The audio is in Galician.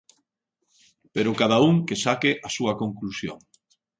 Pero cada un que saque a súa conclusión.